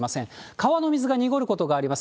川の水が濁ることがあります。